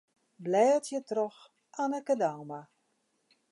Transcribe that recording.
Blêdzje troch Anneke Douma.